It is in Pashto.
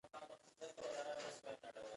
پوستکی د بدن لپاره څه ګټه لري